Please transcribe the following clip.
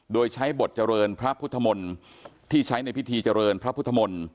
โดยใช้บทเจริญพระพุทธมนตร์ที่ใช้ในพิธีเจริญพระพุทธมนตร์